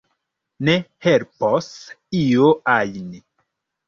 Ne helpos io ajn.